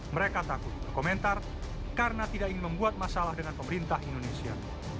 mereka takut berkomentar karena tidak ingin membuat masalah dengan pemerintah indonesia